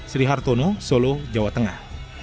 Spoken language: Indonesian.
sri hartono solo jawa tengah